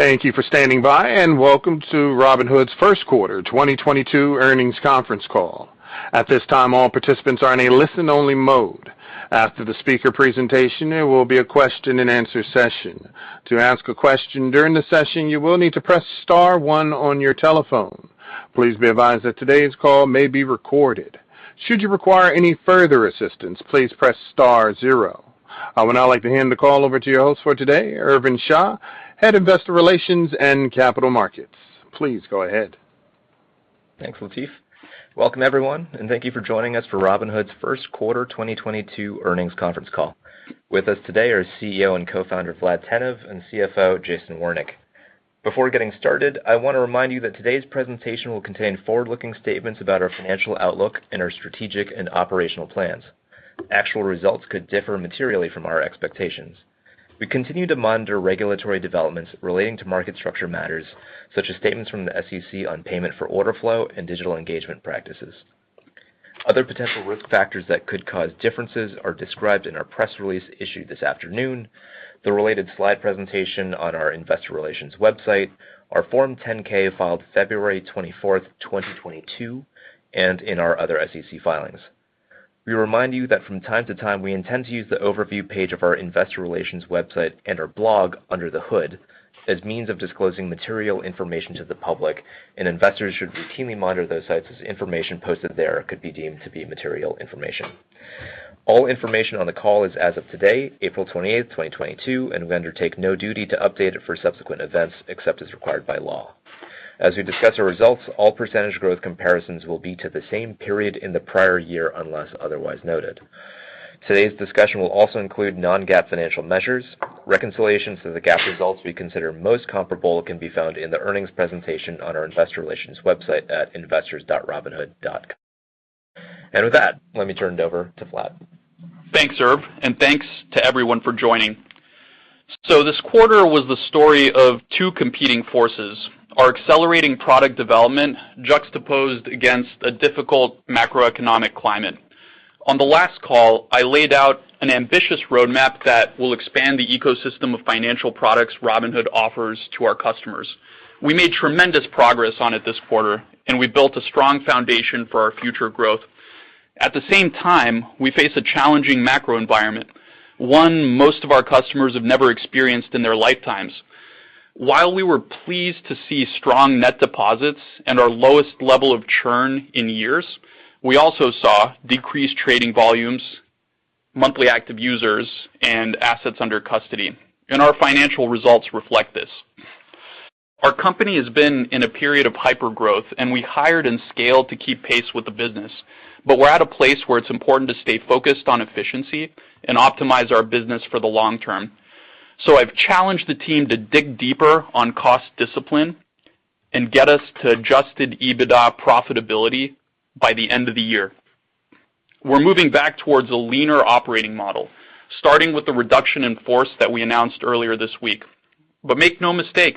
Thank you for standing by and welcome to Robinhood's First Quarter 2022 Earnings Conference Call. At this time, all participants are in a listen-only mode. After the speaker presentation, there will be a question and answer session. To ask a question during the session, you will need to press star one on your telephone. Please be advised that today's call may be recorded. Should you require any further assistance, please press star zero. I would now like to hand the call over to your host for today, Irvin Shah, Head of Investor Relations and Capital Markets. Please go ahead. Thanks, Latif. Welcome, everyone, and thank you for joining us for Robinhood's first-quarter 2022 earnings conference call. With us today are CEO and Co-Founder, Vlad Tenev, and CFO, Jason Warnick. Before getting started, I wanna remind you that today's presentation will contain forward-looking statements about our financial outlook and our strategic and operational plans. Actual results could differ materially from our expectations. We continue to monitor regulatory developments relating to market structure matters, such as statements from the SEC on payment for order flow and digital engagement practices. Other potential risk factors that could cause differences are described in our press release issued this afternoon, the related slide presentation on our Investor Relations website, our Form 10-K filed February 24th, 2022, and in our other SEC filings. We remind you that from time to time, we intend to use the overview page of our Investor Relations website and our blog, Under the Hood, as means of disclosing material information to the public, and investors should routinely monitor those sites as information posted there could be deemed to be material information. All information on the call is as of today, April 28th, 2022, and we undertake no duty to update it for subsequent events except as required by law. As we discuss our results, all percentage growth comparisons will be to the same period in the prior year, unless otherwise noted. Today's discussion will also include non-GAAP financial measures. Reconciliations to the GAAP results we consider most comparable can be found in the earnings presentation on our Investor Relations website at investors.robinhood.com. With that, let me turn it over to Vlad. Thanks, Irv, and thanks to everyone for joining. This quarter was the story of two competing forces, our accelerating product development juxtaposed against a difficult macroeconomic climate. On the last call, I laid out an ambitious roadmap that will expand the ecosystem of financial products Robinhood offers to our customers. We made tremendous progress on it this quarter, and we built a strong foundation for our future growth. At the same time, we face a challenging macro environment, one most of our customers have never experienced in their lifetimes. While we were pleased to see strong net deposits and our lowest level of churn in years, we also saw decreased trading volumes, monthly active users, and assets under custody, and our financial results reflect this. Our company has been in a period of hypergrowth, and we hired and scaled to keep pace with the business. We're at a place where it's important to stay focused on efficiency and optimize our business for the long term. I've challenged the team to dig deeper on cost discipline and get us to Adjusted EBITDA profitability by the end of the year. We're moving back towards a leaner operating model, starting with the reduction in force that we announced earlier this week. Make no mistake,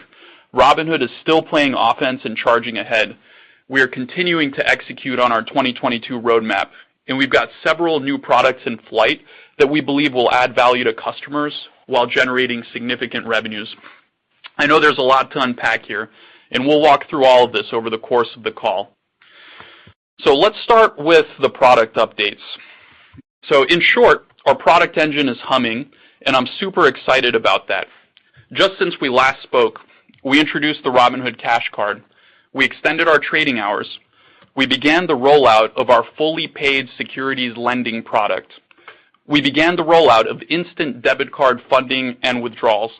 Robinhood is still playing offense and charging ahead. We are continuing to execute on our 2022 roadmap, and we've got several new products in flight that we believe will add value to customers while generating significant revenues. I know there's a lot to unpack here, and we'll walk through all of this over the course of the call. Let's start with the product updates. In short, our product engine is humming, and I'm super excited about that. Just since we last spoke, we introduced the Robinhood Cash Card, we extended our trading hours, we began the rollout of our fully paid securities lending product. We began the rollout of instant debit card funding and withdrawals.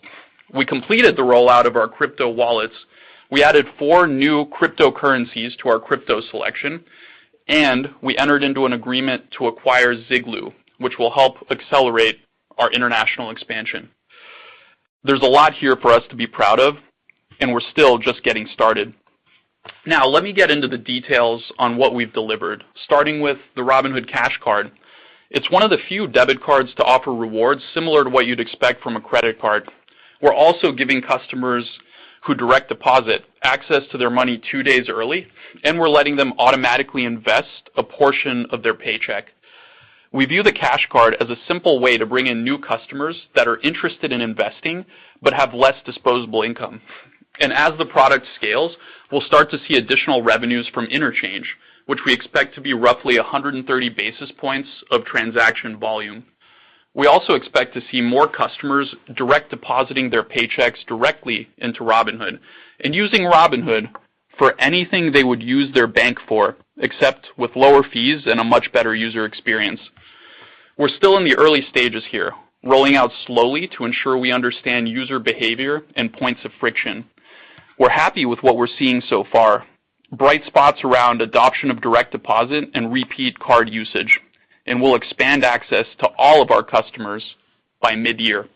We completed the rollout of our crypto wallets. We added four new cryptocurrencies to our crypto selection, and we entered into an agreement to acquire Ziglu, which will help accelerate our international expansion. There's a lot here for us to be proud of, and we're still just getting started. Now, let me get into the details on what we've delivered, starting with the Robinhood Cash Card. It's one of the few debit cards to offer rewards similar to what you'd expect from a credit card. We're also giving customers who direct deposit access to their money two days early, and we're letting them automatically invest a portion of their paycheck. We view the Cash Card as a simple way to bring in new customers that are interested in investing but have less disposable income. As the product scales, we'll start to see additional revenues from interchange, which we expect to be roughly 130 basis points of transaction volume. We also expect to see more customers direct depositing their paychecks directly into Robinhood and using Robinhood for anything they would use their bank for, except with lower fees and a much better user experience. We're still in the early stages here, rolling out slowly to ensure we understand user behavior and points of friction. We're happy with what we're seeing so far. Bright spots around adoption of direct deposit and repeat card usage, and we'll expand access to all of our customers by mid-year.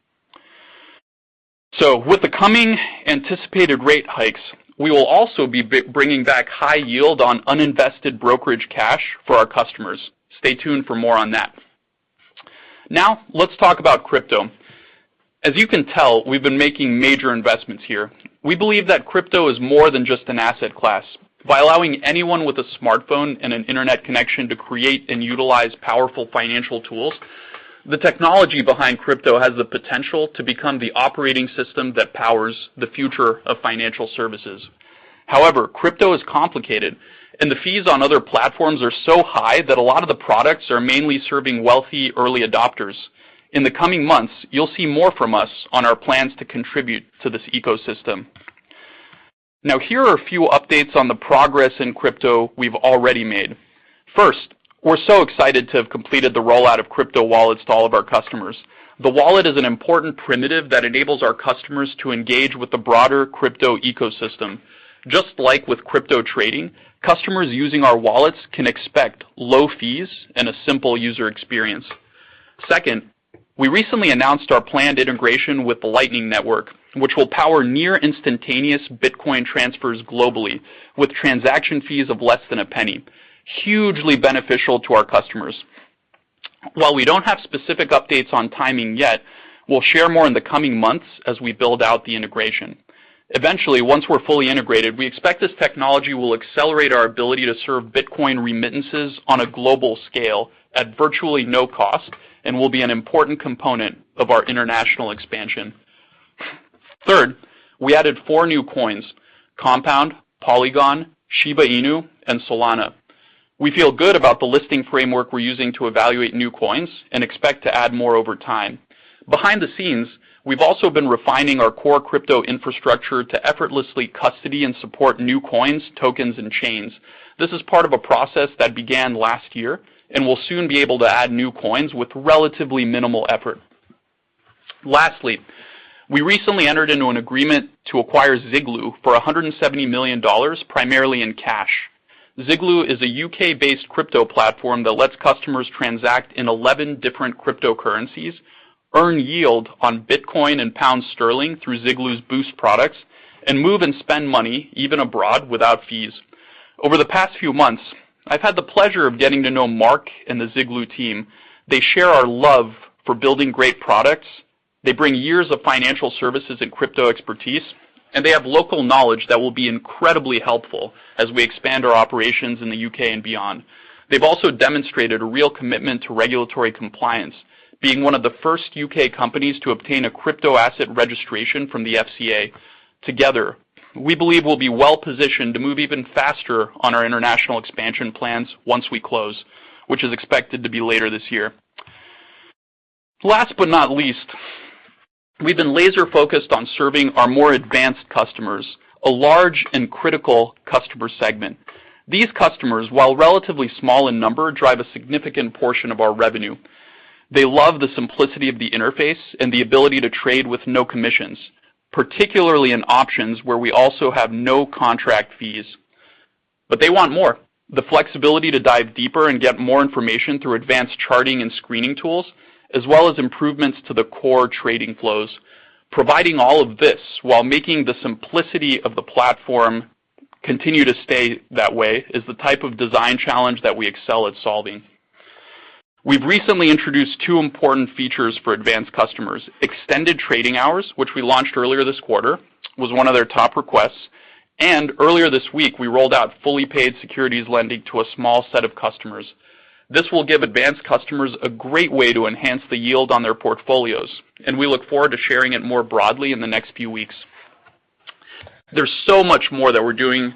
With the coming anticipated rate hikes, we will also be bringing back high yield on uninvested brokerage cash for our customers. Stay tuned for more on that. Now, let's talk about crypto. As you can tell, we've been making major investments here. We believe that crypto is more than just an asset class. By allowing anyone with a smartphone and an internet connection to create and utilize powerful financial tools. The technology behind crypto has the potential to become the operating system that powers the future of financial services. However, crypto is complicated and the fees on other platforms are so high that a lot of the products are mainly serving wealthy early adopters. In the coming months, you'll see more from us on our plans to contribute to this ecosystem. Now, here are a few updates on the progress in crypto we've already made. First, we're so excited to have completed the rollout of crypto wallets to all of our customers. The wallet is an important primitive that enables our customers to engage with the broader crypto ecosystem. Just like with crypto trading, customers using our wallets can expect low fees and a simple user experience. Second, we recently announced our planned integration with the Lightning Network, which will power near instantaneous Bitcoin transfers globally with transaction fees of less than a penny. Hugely beneficial to our customers. While we don't have specific updates on timing yet, we'll share more in the coming months as we build out the integration. Eventually, once we're fully integrated, we expect this technology will accelerate our ability to serve Bitcoin remittances on a global scale at virtually no cost and will be an important component of our international expansion. Third, we added four new coins: Compound, Polygon, Shiba Inu, and Solana. We feel good about the listing framework we're using to evaluate new coins and expect to add more over time. Behind the scenes, we've also been refining our core crypto infrastructure to effortlessly custody and support new coins, tokens, and chains. This is part of a process that began last year, and we'll soon be able to add new coins with relatively minimal effort. Lastly, we recently entered into an agreement to acquire Ziglu for $170 million, primarily in cash. Ziglu is a UK-based crypto platform that lets customers transact in 11 different cryptocurrencies, earn yield on Bitcoin and pound sterling through Ziglu's Boost products, and move and spend money even abroad without fees. Over the past few months, I've had the pleasure of getting to know Mark and the Ziglu team. They share our love for building great products, they bring years of financial services and crypto expertise, and they have local knowledge that will be incredibly helpful as we expand our operations in the UK and beyond. They've also demonstrated a real commitment to regulatory compliance, being one of the first UK companies to obtain a crypto asset registration from the FCA. Together, we believe we'll be well-positioned to move even faster on our international expansion plans once we close, which is expected to be later this year. Last but not least, we've been laser-focused on serving our more advanced customers, a large and critical customer segment. These customers, while relatively small in numbers, drive a significant portion of our revenue. They love the simplicity of the interface and the ability to trade with no commissions, particularly in options where we also have no contract fees. They want more, the flexibility to dive deeper and get more information through advanced charting and screening tools, as well as improvements to the core trading flows. Providing all of this while making the simplicity of the platform continue to stay that way is the type of design challenge that we excel at solving. We've recently introduced two important features for advanced customers. Extended trading hours, which we launched earlier this quarter, was one of their top requests, and earlier this week, we rolled out fully paid securities lending to a small set of customers. This will give advanced customers a great way to enhance the yield on their portfolios, and we look forward to sharing it more broadly in the next few weeks. There's so much more that we're doing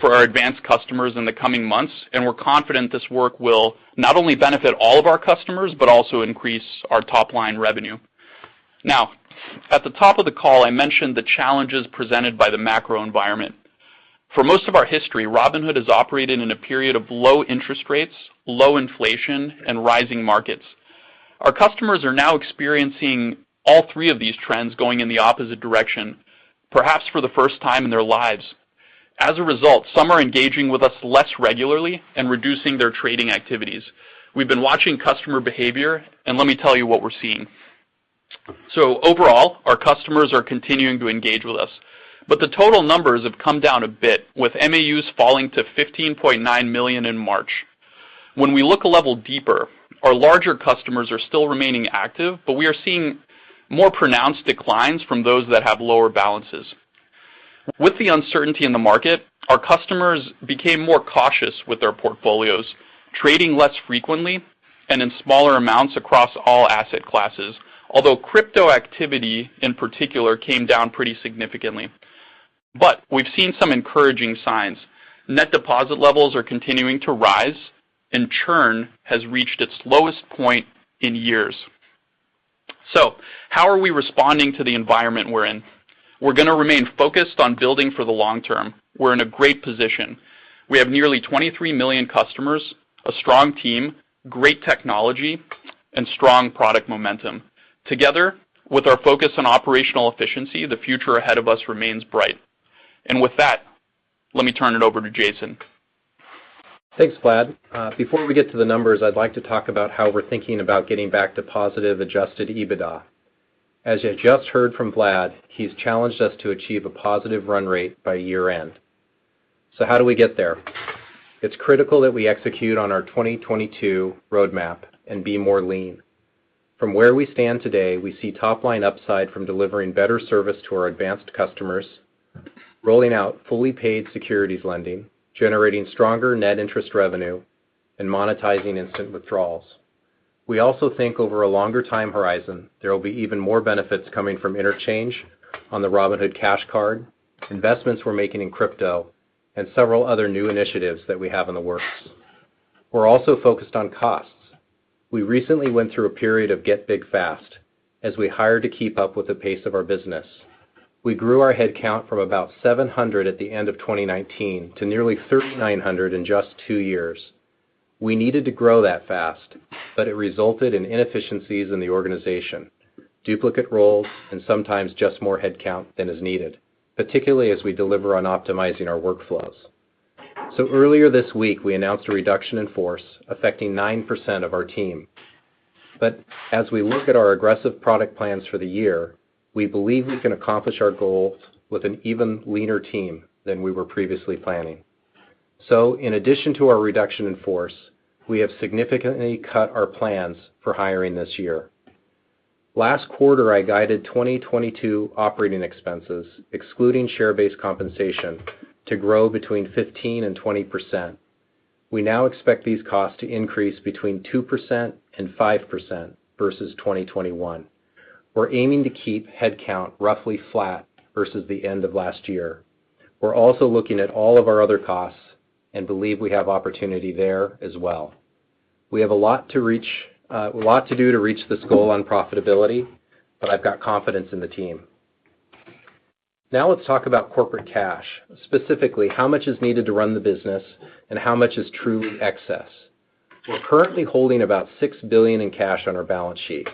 for our advanced customers in the coming months, and we're confident this work will not only benefit all of our customers, but also increase our top-line revenue. Now, at the top of the call, I mentioned the challenges presented by the macro environment. For most of our history, Robinhood has operated in a period of low interest rates, low inflation, and rising markets. Our customers are now experiencing all three of these trends going in the opposite direction, perhaps for the first time in their lives. As a result, some are engaging with us less regularly and reducing their trading activities. We've been watching customer behavior, and let me tell you what we're seeing. Overall, our customers are continuing to engage with us, but the total numbers have come down a bit, with MAUs falling to 15.9 million in March. When we look a level deeper, our larger customers are still remaining active, but we are seeing more pronounced declines from those that have lower balances. With the uncertainty in the market, our customers became more cautious with their portfolios, trading less frequently and in smaller amounts across all asset classes. Although crypto activity in particular came down pretty significantly. We've seen some encouraging signs. Net deposit levels are continuing to rise, and churn has reached its lowest point in years. How are we responding to the environment we're in? We're gonna remain focused on building for the long term. We're in a great position. We have nearly 23 million customers, a strong team, great technology, and strong product momentum. Together, with our focus on operational efficiency, the future ahead of us remains bright. With that, let me turn it over to Jason. Thanks, Vlad. Before we get to the numbers, I'd like to talk about how we're thinking about getting back to positive Adjusted EBITDA. As you just heard from Vlad, he's challenged us to achieve a positive run rate by year-end. How do we get there? It's critical that we execute on our 2022 roadmap and be more lean. From where we stand today, we see top-line upside from delivering better service to our advanced customers. Rolling out fully paid securities lending, generating stronger net interest revenue, and monetizing instant withdrawals. We also think over a longer time horizon, there will be even more benefits coming from interchange on the Robinhood Cash Card, investments we're making in crypto, and several other new initiatives that we have in the works. We're also focused on costs. We recently went through a period of get big fast as we hired to keep up with the pace of our business. We grew our headcount from about 700 at the end of 2019 to nearly 3,900 in just two years. We needed to grow that fast, but it resulted in inefficiencies in the organization, duplicate roles and sometimes just more headcount than is needed, particularly as we deliver on optimizing our workflows. Earlier this week, we announced a reduction in force affecting 9% of our team. As we look at our aggressive product plans for the year, we believe we can accomplish our goals with an even leaner team than we were previously planning. In addition to our reduction in force, we have significantly cut our plans for hiring this year. Last quarter, I guided 2022 operating expenses, excluding share-based compensation, to grow between 15%-20%. We now expect these costs to increase between 2% and 5% versus 2021. We're aiming to keep headcount roughly flat versus the end of last year. We're also looking at all of our other costs and believe we have opportunity there as well. We have a lot to reach, a lot to do to reach this goal on profitability, but I've got confidence in the team. Now let's talk about corporate cash, specifically how much is needed to run the business and how much is truly excess. We're currently holding about $6 billion in cash on our balance sheet.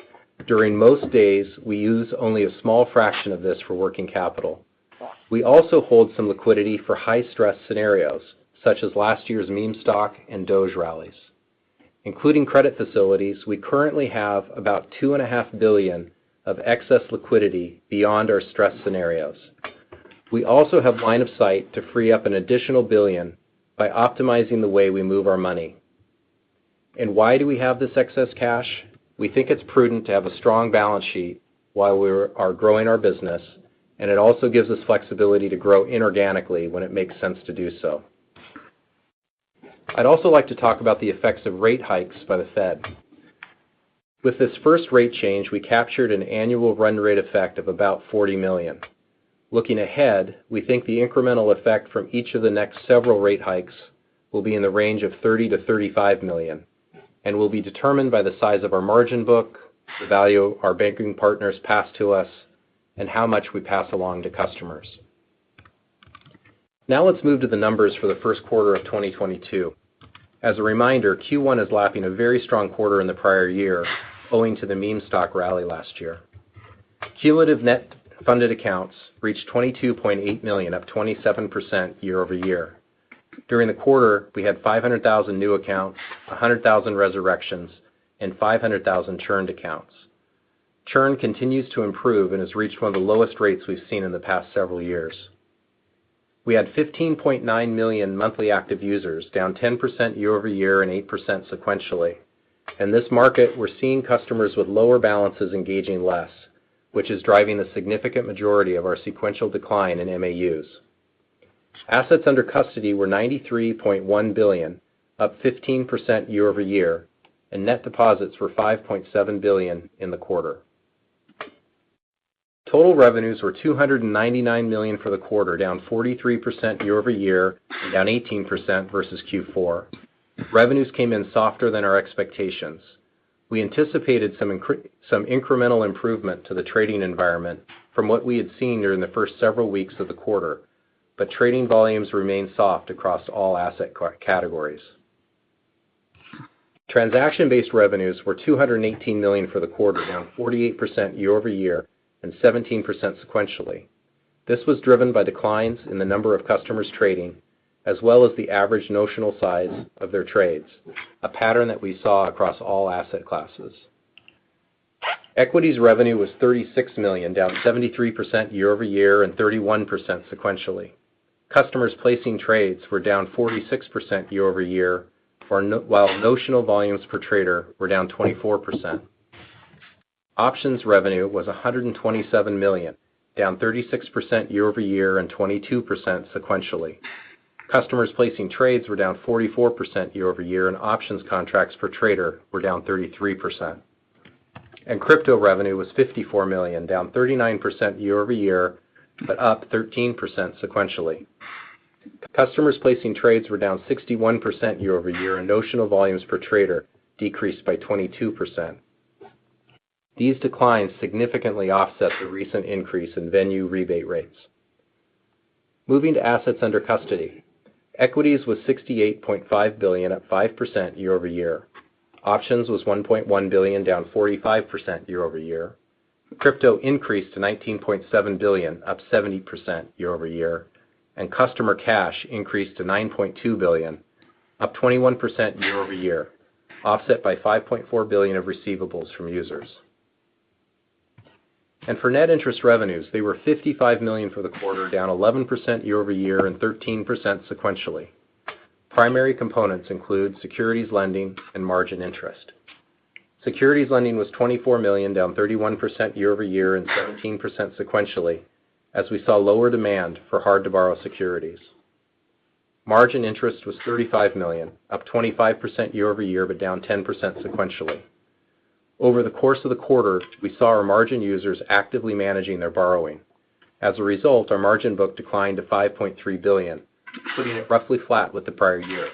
During most days, we use only a small fraction of this for working capital. We also hold some liquidity for high-stress scenarios, such as last year's meme stock and Doge rallies. Including credit facilities, we currently have about $2.5 billion of excess liquidity beyond our stress scenarios. We also have line of sight to free up an additional $1 billion by optimizing the way we move our money. Why do we have this excess cash? We think it's prudent to have a strong balance sheet while we are growing our business, and it also gives us flexibility to grow inorganically when it makes sense to do so. I'd also like to talk about the effects of rate hikes by the Fed. With this first rate change, we captured an annual run rate effect of about $40 million. Looking ahead, we think the incremental effect from each of the next several rate hikes will be in the range of $30 million-$35 million and will be determined by the size of our margin book, the value our banking partners pass to us, and how much we pass along to customers. Now let's move to the numbers for the first quarter of 2022. As a reminder, Q1 is lapping a very strong quarter in the prior year owing to the meme stock rally last year. Cumulative net funded accounts reached 22.8 million, up 27% YoY. During the quarter, we had 500,000 new accounts, 100,000 resurrections, and 500,000 churned accounts. Churn continues to improve and has reached one of the lowest rates we've seen in the past several years. We had 15.9 million monthly active users, down 10% YoY and 8% sequentially. In this market, we're seeing customers with lower balances engaging less, which is driving the significant majority of our sequential decline in MAUs. Assets under custody were $93.1 billion, up 15% YoY, and net deposits were $5.7 billion in the quarter. Total revenues were $299 million for the quarter, down 43% YoY, and down 18% versus Q4. Revenues came in softer than our expectations. We anticipated some incremental improvement to the trading environment from what we had seen during the first several weeks of the quarter, but trading volumes remained soft across all asset categories. Transaction-based revenues were $218 million for the quarter, down 48% YoY and 17% sequentially. This was driven by declines in the number of customers trading, as well as the average notional size of their trades, a pattern that we saw across all asset classes. Equities revenue was $36 million, down 73% YoY and 31% sequentially. Customers placing trades were down 46% YoY, while notional volumes per trader were down 24%. Options revenue was $127 million, down 36% YoY and 22% sequentially. Customers placing trades were down 44% YoY, and options contracts per trader were down 33%. Crypto revenue was $54 million, down 39% YoY, but up 13% sequentially. Customers placing trades were down 61% YoY, and notional volumes per trader decreased by 22%. These declines significantly offset the recent increase in venue rebate rates. Moving to assets under custody. Equities was $68.5 billion, up 5% YoY. Options was $1.1 billion, down 45% YoY. Crypto increased to $19.7 billion, up 70% YoY. Customer cash increased to $9.2 billion, up 21% YoY, offset by $5.4 billion of receivables from users. For net interest revenues, they were $55 million for the quarter, down 11% YoY and 13% sequentially. Primary components include securities lending and margin interest. Securities lending was $24 million, down 31% YoY and 17% sequentially, as we saw lower demand for hard to borrow securities. Margin interest was $35 million, up 25% YoY, but down 10% sequentially. Over the course of the quarter, we saw our margin users actively managing their borrowing. As a result, our margin book declined to $5.3 billion, putting it roughly flat with the prior year.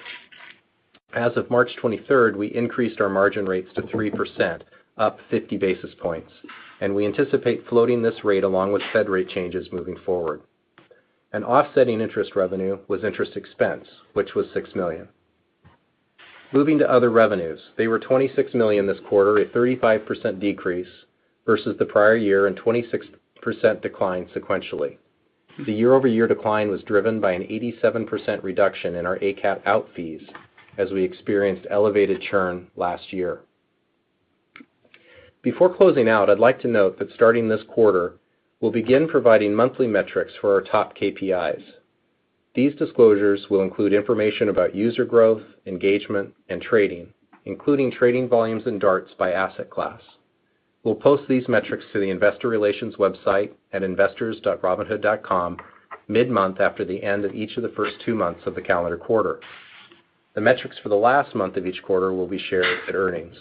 As of March 23rd, we increased our margin rates to 3%, up 50 basis points, and we anticipate floating this rate along with Fed rate changes moving forward. An offsetting interest revenue was interest expense, which was $6 million. Moving to other revenues, they were $26 million this quarter, a 35% decrease versus the prior year and 26% decline sequentially. The YoY decline was driven by an 87% reduction in our ACAT out fees as we experienced elevated churn last year. Before closing out, I'd like to note that starting this quarter, we'll begin providing monthly metrics for our top KPIs. These disclosures will include information about user growth, engagement, and trading, including trading volumes and DARTs by asset class. We'll post these metrics to the Investor Relations website at investors.robinhood.com mid-month after the end of each of the first two months of the calendar quarter. The metrics for the last month of each quarter will be shared at earnings.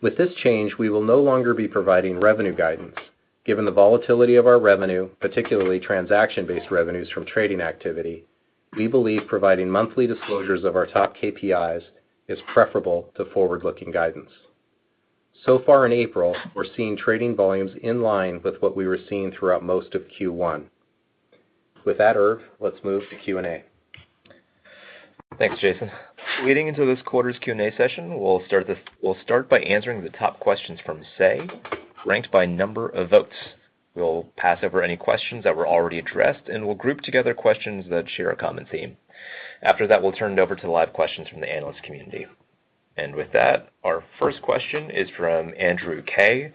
With this change, we will no longer be providing revenue guidance. Given the volatility of our revenue, particularly transaction-based revenues from trading activity, we believe providing monthly disclosures of our top KPIs is preferable to forward-looking guidance. So far in April, we're seeing trading volumes in line with what we were seeing throughout most of Q1. With that, Irv, let's move to Q&A. Thanks, Jason. Leading into this quarter's Q&A session, we'll start by answering the top questions from Say, ranked by number of votes. We'll pass over any questions that were already addressed, and we'll group together questions that share a common theme. After that, we'll turn it over to the live questions from the analyst community. With that, our first question is from Andrew K.,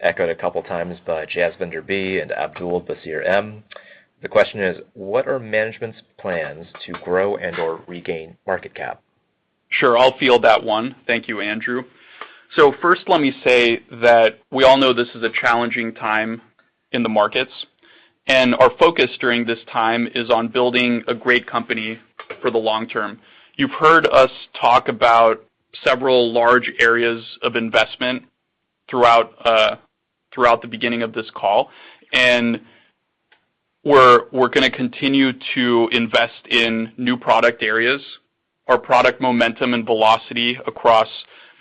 echoed a couple times by Jasvinder B. and Abdul-Basir M. The question is: What are management's plans to grow and/or regain market cap? Sure. I'll field that one. Thank you, Andrew. First, let me say that we all know this is a challenging time in the markets, and our focus during this time is on building a great company for the long term. You've heard us talk about several large areas of investment throughout the beginning of this call, and we're gonna continue to invest in new product areas. Our product momentum and velocity across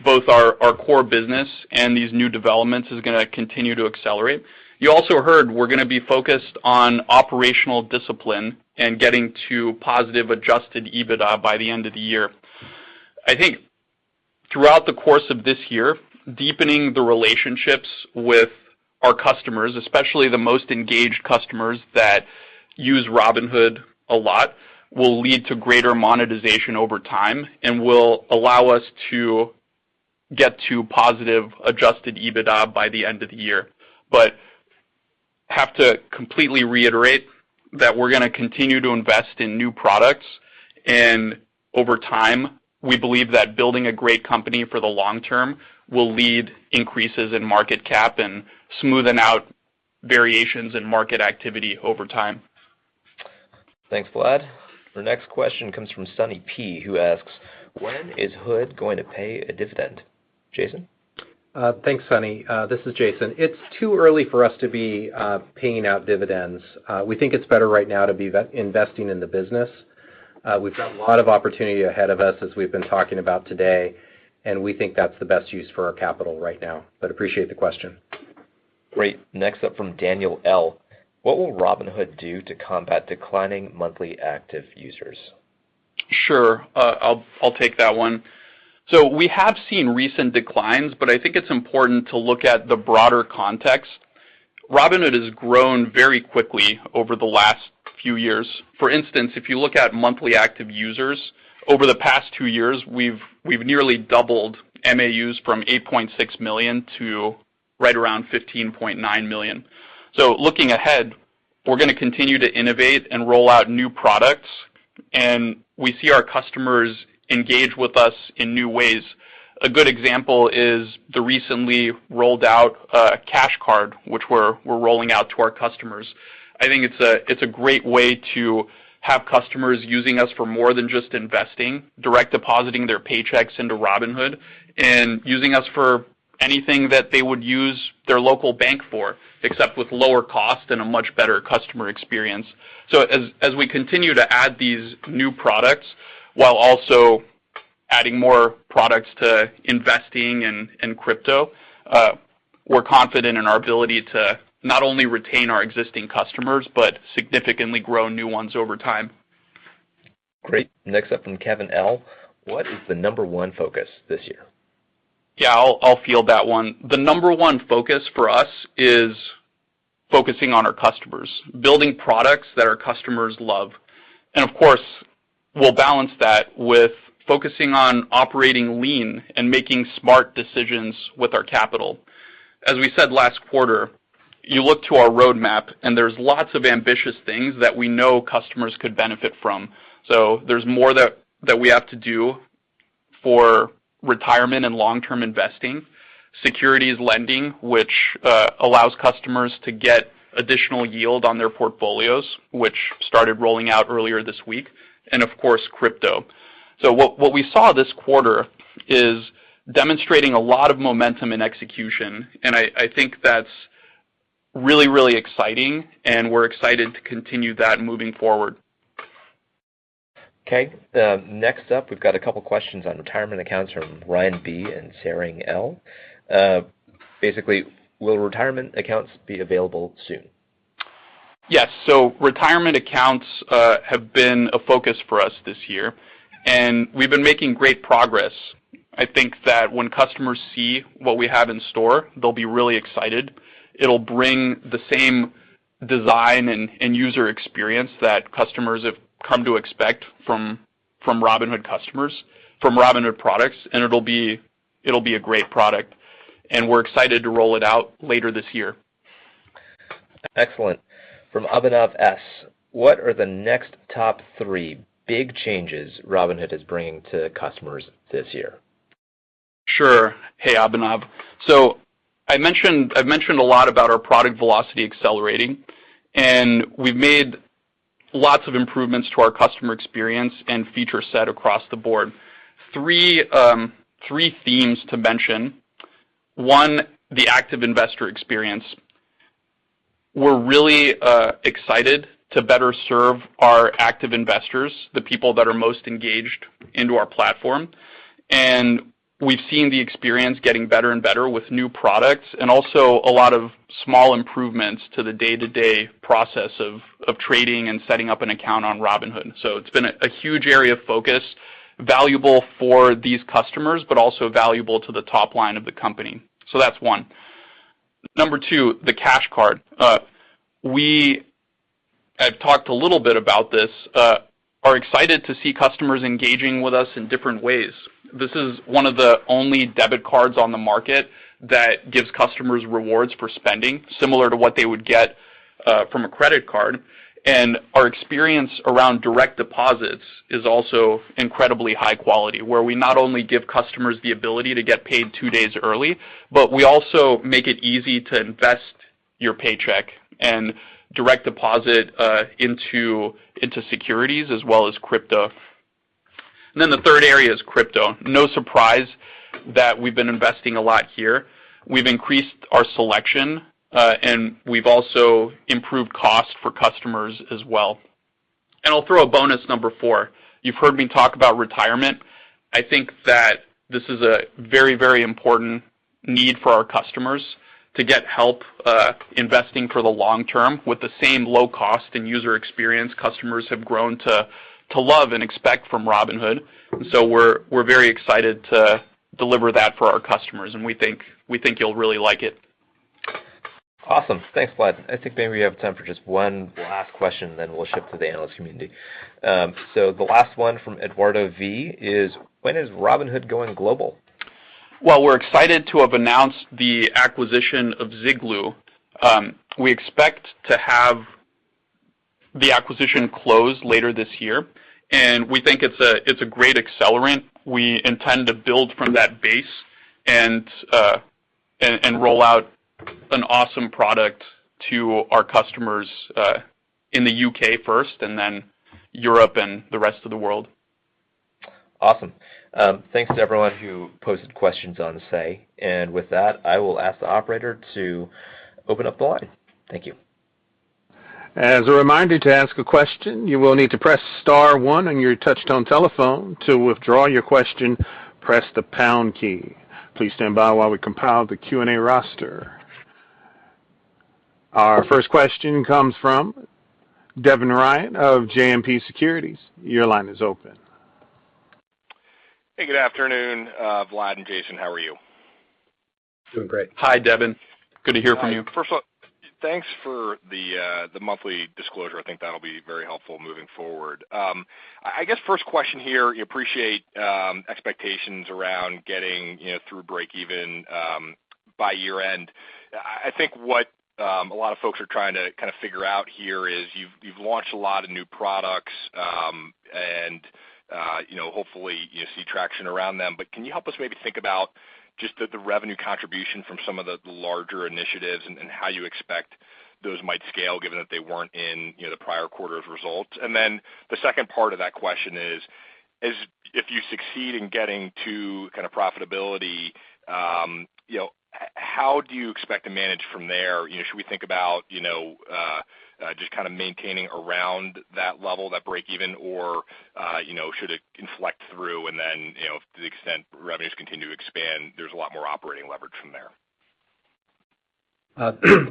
both our core business and these new developments is gonna continue to accelerate. You also heard we're gonna be focused on operational discipline and getting to positive Adjusted EBITDA by the end of the year. I think throughout the course of this year, deepening the relationships with our customers, especially the most engaged customers that use Robinhood a lot, will lead to greater monetization over time and will allow us to get to positive Adjusted EBITDA by the end of the year. Have to completely reiterate that we're gonna continue to invest in new products. Over time, we believe that building a great company for the long term will lead increases in market cap and smoothing out variations in market activity over time. Thanks, Vlad. The next question comes from Sonny P., who asks: When is Hood going to pay a dividend? Jason? Thanks, Sonny. This is Jason. It's too early for us to be paying out dividends. We think it's better right now to be investing in the business. We've got a lot of opportunity ahead of us, as we've been talking about today, and we think that's the best use for our capital right now, but appreciate the question. Great. Next up from Daniel L.: What will Robinhood do to combat declining monthly active users? Sure. I'll take that one. We have seen recent declines, but I think it's important to look at the broader context. Robinhood has grown very quickly over the last few years. For instance, if you look at monthly active users, over the past two years, we've nearly doubled MAUs from 8.6 million to right around 15.9 million. Looking ahead, we're gonna continue to innovate and roll out new products, and we see our customers engage with us in new ways. A good example is the recently rolled out Cash Card, which we're rolling out to our customers. I think it's a great way to have customers using us for more than just investing, direct depositing their paychecks into Robinhood and using us for anything that they would use their local bank for, except with lower cost and a much better customer experience. As we continue to add these new products while also adding more products to investing in crypto, we're confident in our ability to not only retain our existing customers, but significantly grow new ones over time. Great. Next up from Kevin L.: What is the number one focus this year? Yeah. I'll field that one. The number one focus for us is focusing on our customers, building products that our customers love. Of course, we'll balance that with focusing on operating lean and making smart decisions with our capital. As we said last quarter, you look to our roadmap and there's lots of ambitious things that we know customers could benefit from. There's more that we have to do for retirement and long-term investing, securities lending, which allows customers to get additional yield on their portfolios, which started rolling out earlier this week, and of course, crypto. What we saw this quarter is demonstrating a lot of momentum and execution, and I think that's really, really exciting, and we're excited to continue that moving forward. Okay. Next up, we've got a couple questions on retirement accounts from Ryan B. and Zerin L. Basically, will retirement accounts be available soon? Yes. Retirement accounts have been a focus for us this year, and we've been making great progress. I think that when customers see what we have in store, they'll be really excited. It'll bring the same design and user experience that customers have come to expect from Robinhood customers, from Robinhood products, and it'll be a great product. We're excited to roll it out later this year. Excellent. From Abhinav S: What are the next top three big changes Robinhood is bringing to customers this year? Sure. Hey, Abhinav. I've mentioned a lot about our product velocity accelerating, and we've made lots of improvements to our customer experience and feature set across the board. Three themes to mention. One, the active investor experience. We're really excited to better serve our active investors, the people that are most engaged into our platform. We've seen the experience getting better and better with new products and also a lot of small improvements to the day-to-day process of trading and setting up an account on Robinhood. It's been a huge area of focus, valuable for these customers, but also valuable to the top line of the company. That's one. Number two, the Cash Card. We've talked a little bit about this, are excited to see customers engaging with us in different ways. This is one of the only debit cards on the market that gives customers rewards for spending, similar to what they would get from a credit card. Our experience around direct deposits is also incredibly high quality, where we not only give customers the ability to get paid two days early, but we also make it easy to invest your paycheck and direct deposit into securities as well as crypto. Then the third area is crypto. No surprise that we've been investing a lot here. We've increased our selection, and we've also improved cost for customers as well. I'll throw a bonus number four. You've heard me talk about retirement. I think that this is a very, very important need for our customers to get help investing for the long term with the same low cost and user experience customers have grown to love and expect from Robinhood. We're very excited to deliver that for our customers, and we think you'll really like it. Awesome. Thanks, Vlad. I think maybe we have time for just one last question, then we'll shift to the analyst community. The last one from Eduardo V. is, when is Robinhood going global? Well, we're excited to have announced the acquisition of Ziglu. We expect to have the acquisition closed later this year, and we think it's a great accelerant. We intend to build from that base and roll out an awesome product to our customers in the UK first and then Europe and the rest of the world. Awesome. Thanks to everyone who posted questions on Say. With that, I will ask the operator to open up the line. Thank you. As a reminder, to ask a question, you will need to press star one on your touchtone telephone. To withdraw your question, press the pound key. Please stand by while we compile the Q&A roster. Our first question comes from Devin Ryan of JMP Securities. Your line is open. Hey, good afternoon, Vlad and Jason. How are you? Doing great. Hi, Devin. Good to hear from you. First of all, thanks for the monthly disclosure. I think that'll be very helpful moving forward. I guess first question here, your expectations around getting through breakeven by year-end. I think what a lot of folks are trying to kind of figure out here is you've launched a lot of new products, and you know, hopefully you see traction around them. But can you help us maybe think about just the revenue contribution from some of the larger initiatives and how you expect those might scale given that they weren't in the prior quarter's results? Then the second part of that question is if you succeed in getting to kind of profitability, you know, how do you expect to manage from there? You know, should we think about, you know, just kind of maintaining around that level, that breakeven? Or, you know, should it inflect through and then, you know, to the extent revenues continue to expand, there's a lot more operating leverage from there?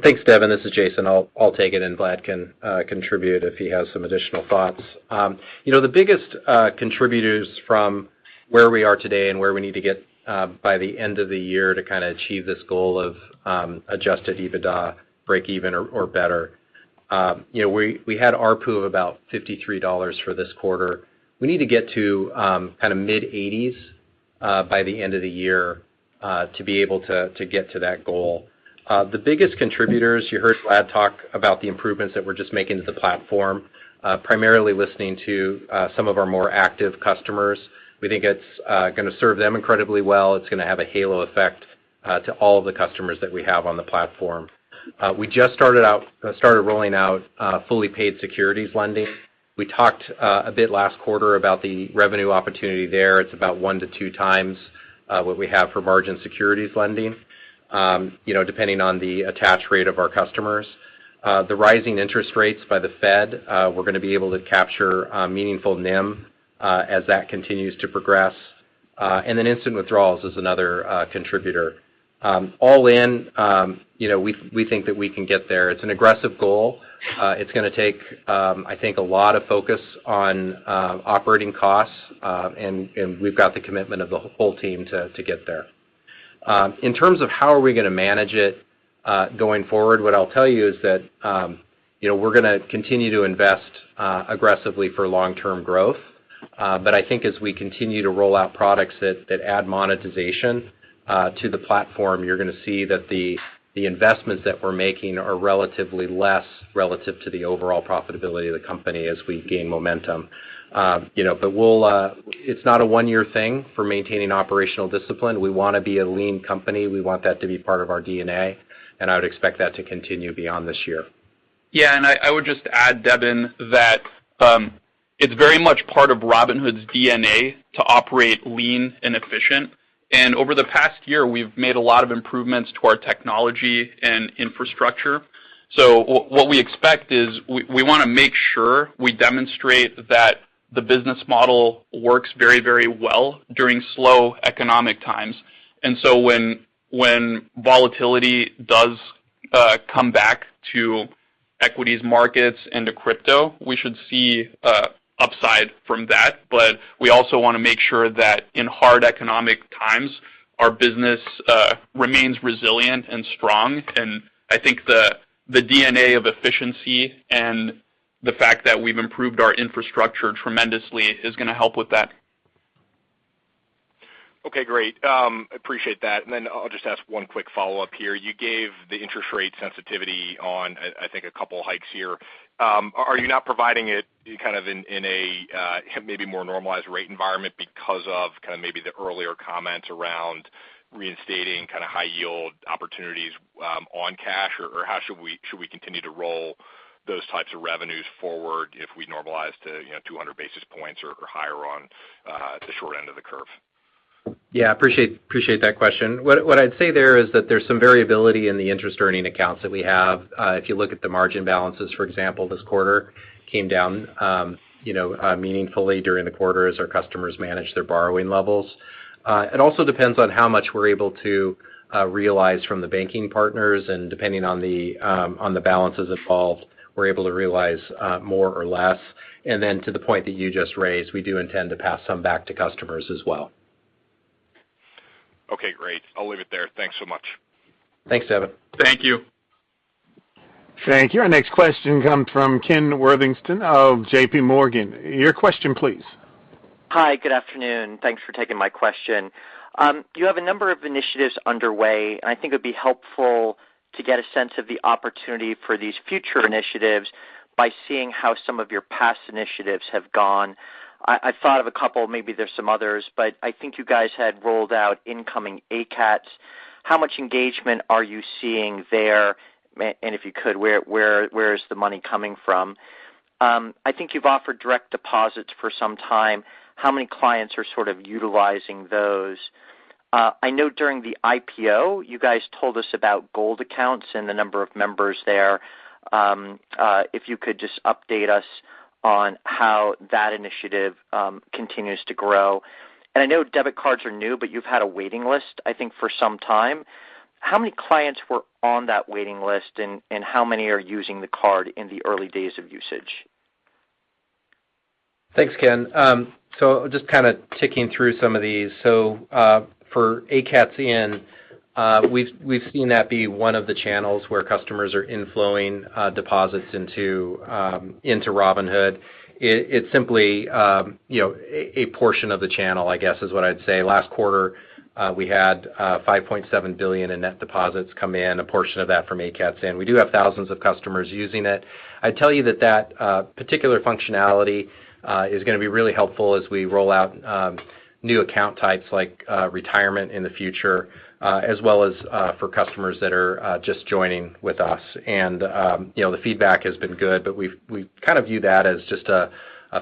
Thanks, Devin. This is Jason. I'll take it, and Vlad can contribute if he has some additional thoughts. You know, the biggest contributors from where we are today and where we need to get by the end of the year to kind of achieve this goal of Adjusted EBITDA breakeven or better. You know, we had ARPU of about $53 for this quarter. We need to get to kind of mid-80s by the end of the year to be able to get to that goal. The biggest contributors, you heard Vlad talk about the improvements that we're just making to the platform, primarily listening to some of our more active customers. We think it's gonna serve them incredibly well. It's gonna have a halo effect to all of the customers that we have on the platform. We just started rolling out fully paid securities lending. We talked a bit last quarter about the revenue opportunity there. It's about 1-2x what we have for margin securities lending, you know, depending on the attach rate of our customers. The rising interest rates by the Fed, we're gonna be able to capture a meaningful NIM, as that continues to progress. Instant withdrawals is another contributor. All in, you know, we think that we can get there. It's an aggressive goal. It's gonna take, I think, a lot of focus on operating costs, and we've got the commitment of the whole team to get there. In terms of how are we gonna manage it going forward, what I'll tell you is that, you know, we're gonna continue to invest aggressively for long-term growth. I think as we continue to roll out products that add monetization to the platform, you're gonna see that the investments that we're making are relatively less relative to the overall profitability of the company as we gain momentum. You know, it's not a one-year thing for maintaining operational discipline. We wanna be a lean company. We want that to be part of our DNA, and I would expect that to continue beyond this year. I would just add, Devin, that it's very much part of Robinhood's DNA to operate lean and efficient. Over the past year, we've made a lot of improvements to our technology and infrastructure. What we expect is we wanna make sure we demonstrate that the business model works very, very well during slow economic times. When volatility does come back to equities markets into crypto, we should see upside from that. We also wanna make sure that in hard economic times, our business remains resilient and strong. I think the DNA of efficiency and the fact that we've improved our infrastructure tremendously is gonna help with that. Okay, great. Appreciate that. I'll just ask one quick follow-up here. You gave the interest rate sensitivity on, I think, a couple of hikes here. Are you not providing it kind of in a maybe more normalized rate environment because of kind of maybe the earlier comments around reinstating kind of high yield opportunities on cash, or how should we continue to roll those types of revenues forward if we normalize to, you know, 200 basis points or higher on the short end of the curve? Yeah, appreciate that question. What I'd say there is that there's some variability in the interest earning accounts that we have. If you look at the margin balances, for example, this quarter came down, you know, meaningfully during the quarter as our customers managed their borrowing levels. It also depends on how much we're able to realize from the banking partners, and depending on the balances involved, we're able to realize more or less. To the point that you just raised, we do intend to pass some back to customers as well. Okay, great. I'll leave it there. Thanks so much. Thanks, Devin. Thank you. Thank you. Our next question comes from Ken Worthington of J.P. Morgan. Your question, please. Hi, good afternoon. Thanks for taking my question. You have a number of initiatives underway, and I think it'd be helpful to get a sense of the opportunity for these future initiatives by seeing how some of your past initiatives have gone. I thought of a couple, maybe there's some others, but I think you guys had rolled out incoming ACATS. How much engagement are you seeing there? And if you could, where is the money coming from? I think you've offered direct deposits for some time. How many clients are sort of utilizing those? I know during the IPO, you guys told us about Gold accounts and the number of members there. If you could just update us on how that initiative continues to grow. I know debit cards are new, but you've had a waiting list, I think, for some time. How many clients were on that waiting list, and how many are using the card in the early days of usage? Thanks, Ken. Just kinda ticking through some of these. For ACATS in, we've seen that be one of the channels where customers are inflowing deposits into Robinhood. It's simply, you know, a portion of the channel, I guess, is what I'd say. Last quarter, we had $5.7 billion in net deposits come in, a portion of that from ACATS in. We do have thousands of customers using it. I'd tell you that particular functionality is gonna be really helpful as we roll out new account types like retirement in the future, as well as for customers that are just joining with us. You know, the feedback has been good, but we kind of view that as just a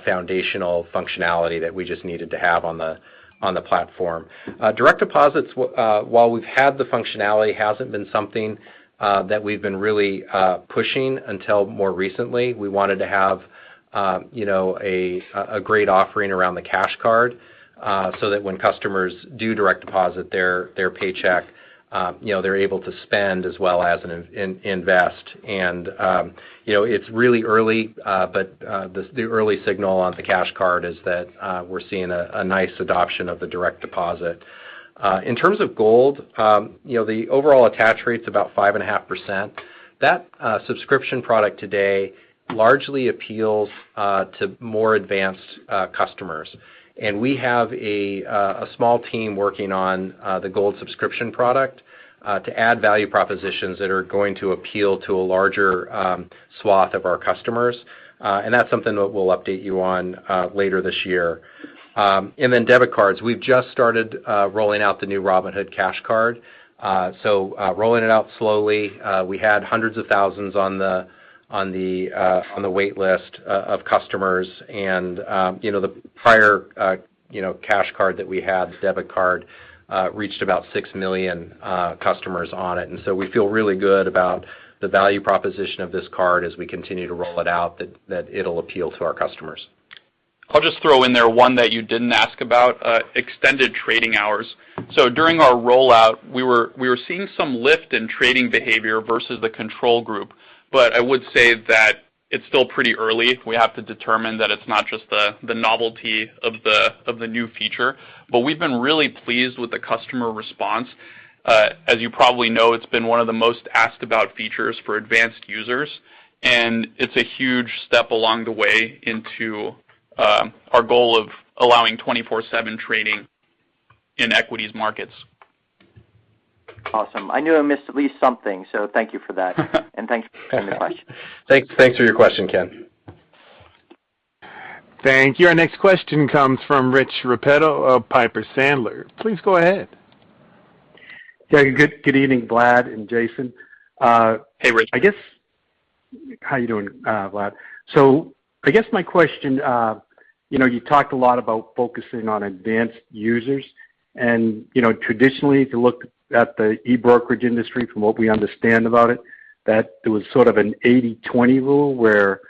foundational functionality that we just needed to have on the platform. Direct deposits, while we've had the functionality, hasn't been something that we've been really pushing until more recently. We wanted to have a great offering around the Cash Card, so that when customers do direct deposit their paycheck, you know, they're able to spend as well as invest. It's really early, but the early signal on the Cash Card is that we're seeing a nice adoption of the direct deposit. In terms of Gold, the overall attach rate's about 5.5%. That subscription product today largely appeals to more advanced customers. We have a small team working on the Gold subscription product to add value propositions that are going to appeal to a larger swath of our customers. That's something that we'll update you on later this year. Then debit cards. We've just started rolling out the new Robinhood Cash Card. Rolling it out slowly. We had hundreds of thousands on the wait list of customers. You know, the prior, you know, Cash Card that we had, the debit card, reached about 6 million customers on it. We feel really good about the value proposition of this card as we continue to roll it out, that it'll appeal to our customers. I'll just throw in there one that you didn't ask about, extended trading hours. During our rollout, we were seeing some lift in trading behavior versus the control group. I would say that it's still pretty early. We have to determine that it's not just the novelty of the new feature. We've been really pleased with the customer response. As you probably know, it's been one of the most asked about features for advanced users, and it's a huge step along the way into our goal of allowing 24/7 trading in equities markets. Awesome. I knew I missed at least something, so thank you for that. Thanks for taking the question. Thanks for your question, Ken. Thank you. Our next question comes from Rich Repetto of Piper Sandler. Please go ahead. Yeah, good evening, Vlad and Jason. Hey, Rich. How you doing, Vlad? I guess my question, you know, you talked a lot about focusing on advanced users and, you know, traditionally, if you look at the e-brokerage industry from what we understand about it, that there was sort of an 80/20 rule where,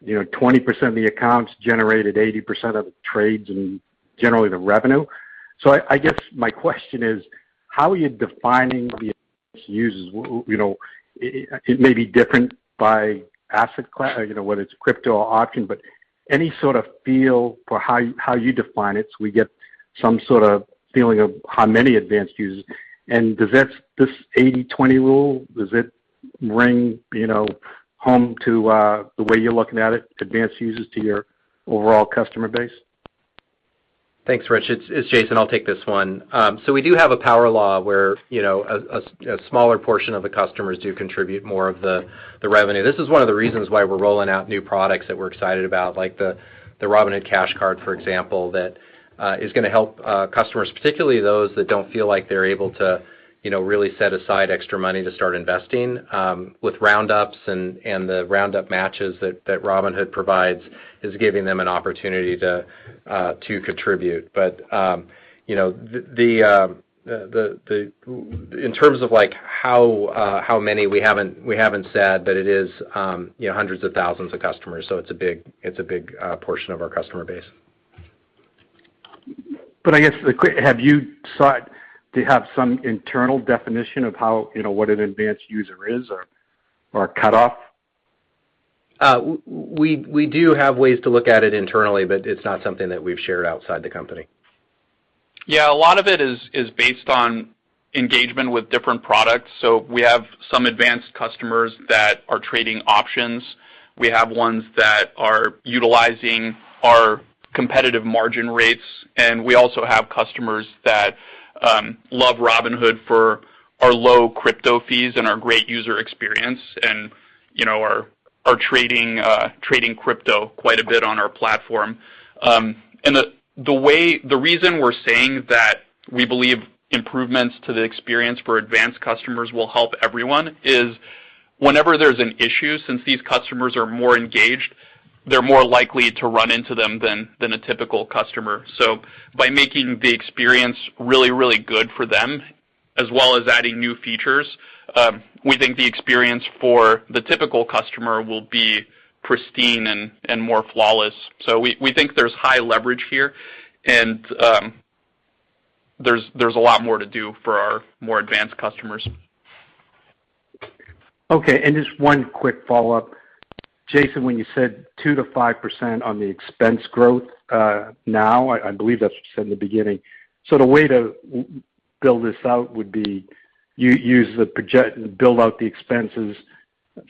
you know, 20% of the accounts generated 80% of the trades and generally the revenue. I guess my question is, how are you defining the users? You know, it may be different by asset class, you know, whether it's crypto or options, but any sort of feel for how you define it, so we get some sort of feeling of how many advanced users. Does that 80/20 rule ring true to the way you're looking at it, advanced users to your overall customer base? Thanks, Rich. It's Jason, I'll take this one. So we do have a power law where, you know, a smaller portion of the customers do contribute more of the revenue. This is one of the reasons why we're rolling out new products that we're excited about, like the Robinhood Cash Card, for example, that is gonna help customers, particularly those that don't feel like they're able to, you know, really set aside extra money to start investing, with roundups and the roundup matches that Robinhood provides is giving them an opportunity to contribute. You know, in terms of like how many, we haven't said, but it is, you know, hundreds of thousands of customers, so it's a big portion of our customer base. Have you sought to have some internal definition of how, you know, what an advanced user is or a cutoff? We do have ways to look at it internally, but it's not something that we've shared outside the company. Yeah, a lot of it is based on engagement with different products. We have some advanced customers that are trading options. We have ones that are utilizing our competitive margin rates. We also have customers that love Robinhood for our low crypto fees and our great user experience and, you know, are trading crypto quite a bit on our platform. The reason we're saying that we believe improvements to the experience for advanced customers will help everyone is whenever there's an issue, since these customers are more engaged, they're more likely to run into them than a typical customer. By making the experience really good for them, as well as adding new features, we think the experience for the typical customer will be pristine and more flawless. We think there's high leverage here and there's a lot more to do for our more advanced customers. Okay, just one quick follow-up. Jason, when you said 2%-5% on the expense growth, now, I believe that's what you said in the beginning. The way to build this out would be build out the expenses,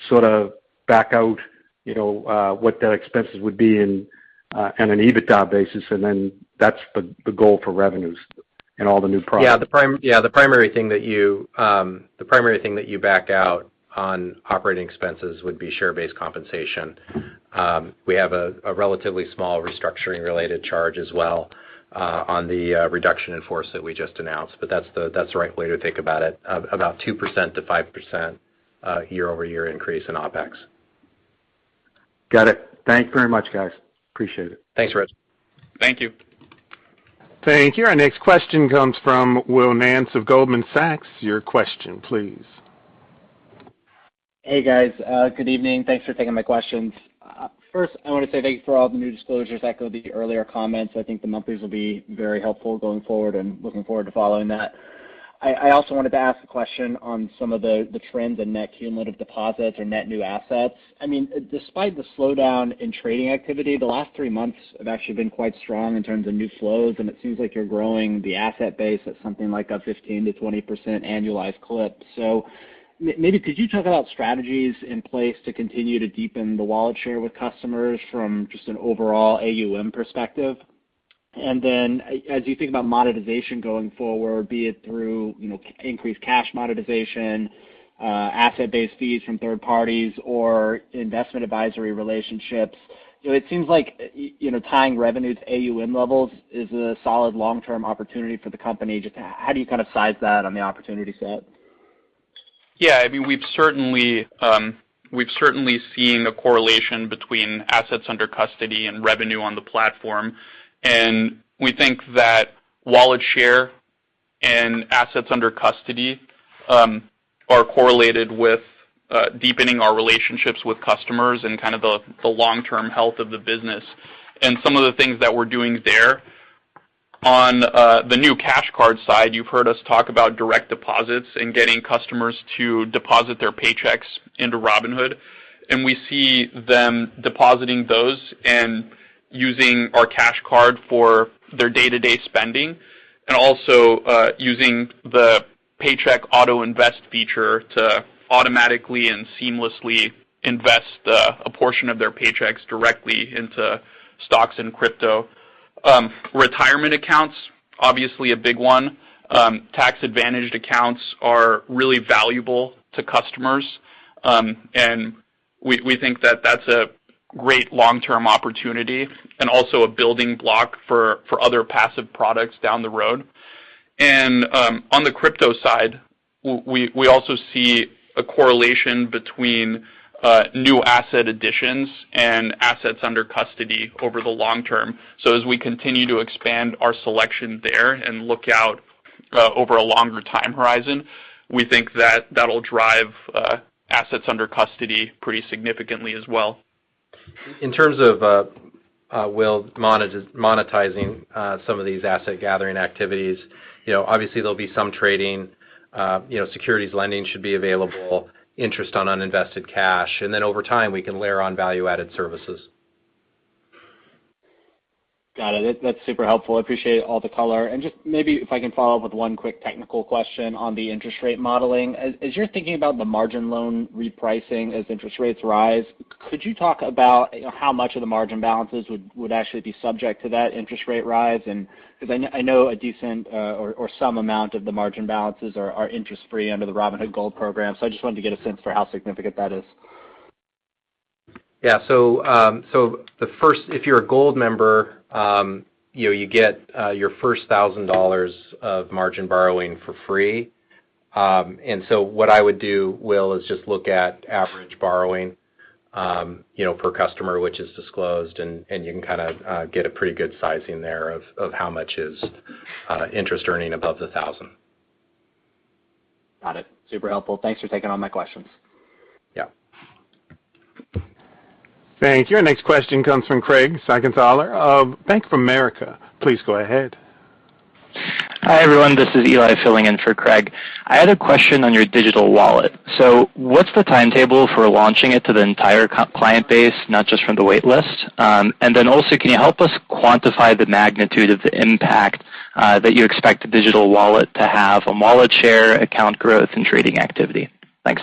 sort of back out, you know, what that expenses would be in, on an EBITDA basis, and then that's the goal for revenues and all the new products. Yeah, the primary thing that you back out on operating expenses would be share-based compensation. We have a relatively small restructuring related charge as well, on the reduction in force that we just announced, but that's the right way to think about it, about 2%-5% YoY increase in OpEx. Got it. Thank you very much, guys. Appreciate it. Thanks, Rich. Thank you. Thank you. Our next question comes from Will Nance of Goldman Sachs. Your question, please. Hey, guys. Good evening. Thanks for taking my questions. First, I wanna say thank you for all the new disclosures, echo the earlier comments. I think the monthlies will be very helpful going forward and looking forward to following that. I also wanted to ask a question on some of the trends in net cumulative deposits or net new assets. I mean, despite the slowdown in trading activity, the last three months have actually been quite strong in terms of new flows, and it seems like you're growing the asset base at something like a 15%-20% annualized clip. Maybe could you talk about strategies in place to continue to deepen the wallet share with customers from just an overall AUM perspective? As you think about monetization going forward, be it through, you know, increased cash monetization, asset-based fees from third parties or investment advisory relationships, you know, it seems like, you know, tying revenue to AUM levels is a solid long-term opportunity for the company. Just how do you kind of size that on the opportunity set? Yeah, I mean, we've certainly seen a correlation between assets under custody and revenue on the platform. We think that wallet share and assets under custody are correlated with deepening our relationships with customers and kind of the long-term health of the business. Some of the things that we're doing there, on the new Cash Card side, you've heard us talk about direct deposits and getting customers to deposit their paychecks into Robinhood, and we see them depositing those and using our Cash Card for their day-to-day spending, and also using the Paycheck Auto-Invest feature to automatically and seamlessly invest a portion of their paychecks directly into stocks and crypto. Retirement accounts, obviously a big one. Tax-advantaged accounts are really valuable to customers, and we think that that's a great long-term opportunity and also a building block for other passive products down the road. On the crypto side, we also see a correlation between new asset additions and assets under custody over the long term. As we continue to expand our selection there and look out over a longer time horizon, we think that that'll drive assets under custody pretty significantly as well. In terms of Will, monetizing some of these asset gathering activities, you know, obviously there'll be some trading, you know, securities lending should be available, interest on uninvested cash, and then over time, we can layer on value-added services. Got it. That's super helpful. Appreciate all the color. Just maybe if I can follow up with one quick technical question on the interest rate modeling. As you're thinking about the margin loan repricing as interest rates rise, could you talk about, you know, how much of the margin balances would actually be subject to that interest rate rise? Because I know a decent or some amount of the margin balances are interest-free under the Robinhood Gold program, so I just wanted to get a sense for how significant that is. If you're a Gold member, you know, you get your first $1,000 of margin borrowing for free. What I would do, Will, is just look at average borrowing, you know, per customer, which is disclosed, and you can kind of get a pretty good sizing there of how much is interest earning above the $1,000. Got it. Super helpful. Thanks for taking all my questions. Yeah. Thank you. Our next question comes from Craig Siegenthaler of Bank of America. Please go ahead. Hi, everyone. This is Eli filling in for Craig. I had a question on your digital wallet. What's the timetable for launching it to the entire client base, not just from the wait list? Also, can you help us quantify the magnitude of the impact, that you expect the digital wallet to have on wallet share, account growth, and trading activity? Thanks.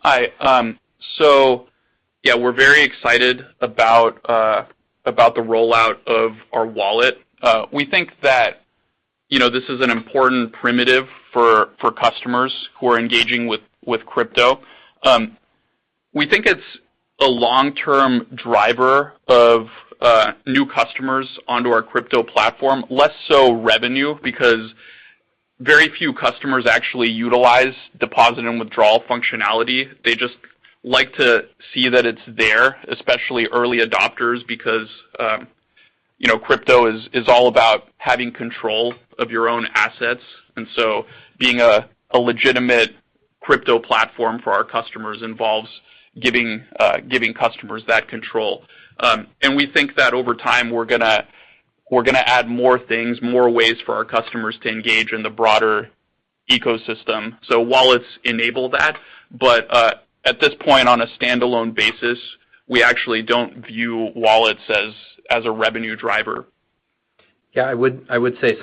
Hi. So yeah, we're very excited about the rollout of our wallet. We think that, you know, this is an important primitive for customers who are engaging with crypto. We think it's a long-term driver of new customers onto our crypto platform, less so revenue because very few customers actually utilize deposit and withdrawal functionality. They just like to see that it's there, especially early adopters, because, you know, crypto is all about having control of your own assets. Being a legitimate crypto platform for our customers involves giving customers that control. We think that over time, we're gonna add more things, more ways for our customers to engage in the broader ecosystem. Wallets enable that. At this point, on a standalone basis, we actually don't view wallets as a revenue driver. Yeah, I would say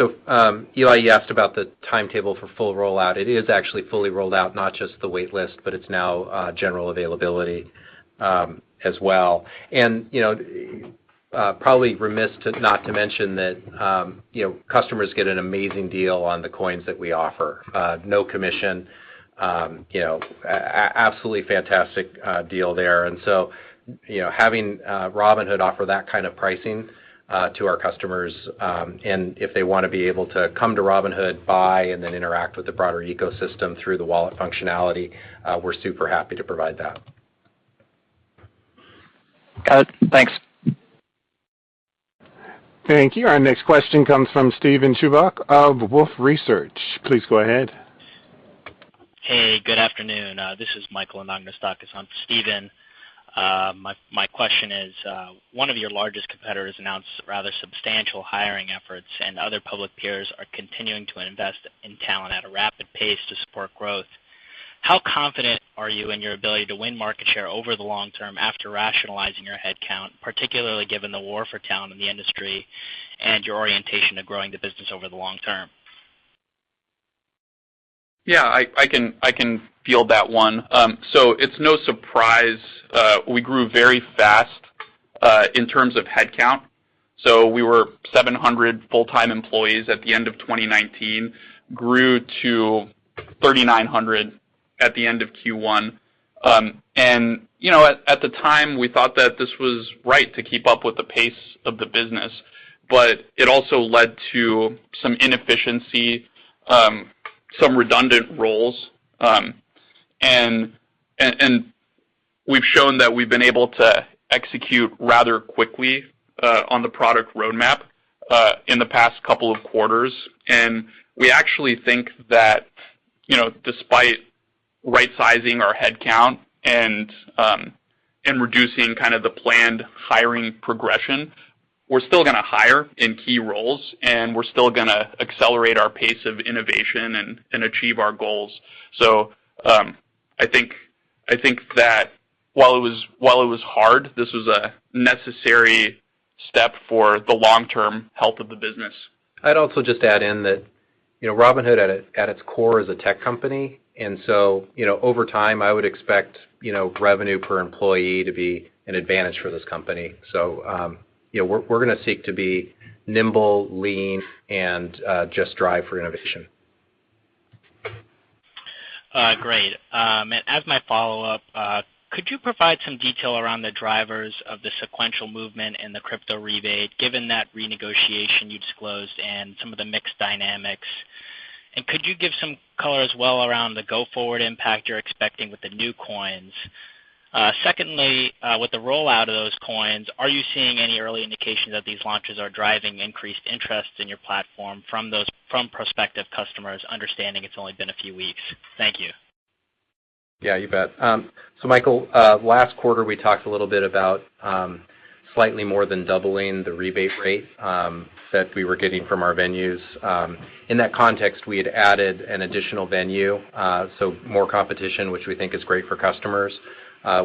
Eli, you asked about the timetable for full rollout. It is actually fully rolled out, not just the wait list, but it's now general availability as well. You know, probably remiss not to mention that, you know, customers get an amazing deal on the coins that we offer. No commission, you know, absolutely fantastic deal there. You know, having Robinhood offer that kind of pricing to our customers, and if they wanna be able to come to Robinhood, buy, and then interact with the broader ecosystem through the wallet functionality, we're super happy to provide that. Got it. Thanks. Thank you. Our next question comes from Steven Chubak of Wolfe Research. Please go ahead. Hey, good afternoon. This is Michael Anagnostakis on for Steven. My question is, one of your largest competitors announced rather substantial hiring efforts, and other public peers are continuing to invest in talent at a rapid pace to support growth. How confident are you in your ability to win market share over the long term after rationalizing your headcount, particularly given the war for talent in the industry and your orientation to growing the business over the long term? Yeah, I can field that one. It's no surprise we grew very fast in terms of headcount. We were 700 full-time employees at the end of 2019, grew to 3,900 at the end of Q1. You know, at the time, we thought that this was right to keep up with the pace of the business, but it also led to some inefficiency, some redundant roles. We've shown that we've been able to execute rather quickly on the product roadmap in the past couple of quarters. We actually think that, you know, despite rightsizing our headcount and reducing kind of the planned hiring progression, we're still gonna hire in key roles, and we're still gonna accelerate our pace of innovation and achieve our goals. I think that while it was hard, this was a necessary step for the long-term health of the business. I'd also just add in that, you know, Robinhood at its core is a tech company. You know, over time, I would expect, you know, revenue per employee to be an advantage for this company. You know, we're gonna seek to be nimble, lean and just drive for innovation. Great. As my follow-up, could you provide some detail around the drivers of the sequential movement and the crypto rebate given that renegotiation you disclosed and some of the mix dynamics? Could you give some color as well around the go-forward impact you're expecting with the new coins? Secondly, with the rollout of those coins, are you seeing any early indication that these launches are driving increased interest in your platform from prospective customers understanding it's only been a few weeks? Thank you. Yeah, you bet. Michael, last quarter, we talked a little bit about slightly more than doubling the rebate rate that we were getting from our venues. In that context, we had added an additional venue, so more competition, which we think is great for customers.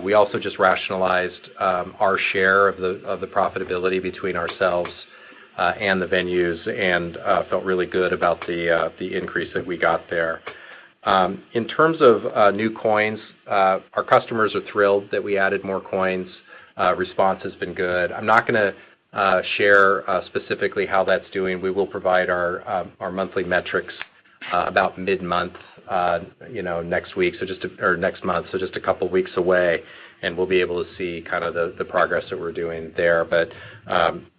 We also just rationalized our share of the profitability between ourselves and the venues and felt really good about the increase that we got there. In terms of new coins, our customers are thrilled that we added more coins. Response has been good. I'm not gonna share specifically how that's doing. We will provide our monthly metrics about mid-month, you know, next week, so just a. or next month, so just a couple weeks away, and we'll be able to see kind of the progress that we're doing there. But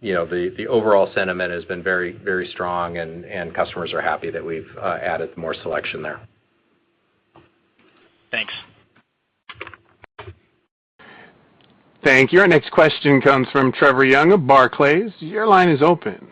you know, the overall sentiment has been very, very strong, and customers are happy that we've added more selection there. Thanks. Thank you. Our next question comes from Trevor Young of Barclays. Your line is open.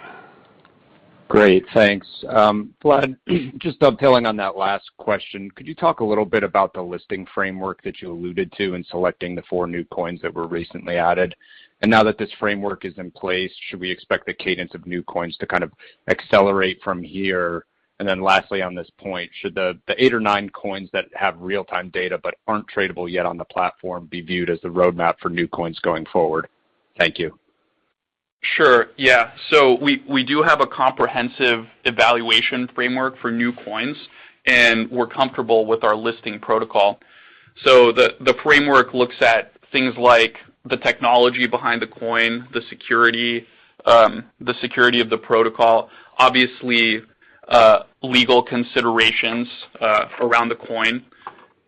Great. Thanks. Vlad, just dovetailing on that last question, could you talk a little bit about the listing framework that you alluded to in selecting the four new coins that were recently added? And now that this framework is in place, should we expect the cadence of new coins to kind of accelerate from here? And then lastly on this point, should the eight or nine coins that have real-time data but aren't tradable yet on the platform be viewed as the roadmap for new coins going forward? Thank you. Sure. Yeah. We do have a comprehensive evaluation framework for new coins, and we're comfortable with our listing protocol. The framework looks at things like the technology behind the coin, the security of the protocol, obviously, legal considerations around the coin